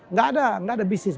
nggak ada bisnis